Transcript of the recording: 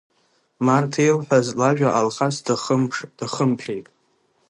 Марҭа илҳәаз лажәа Алхас дахымԥеит.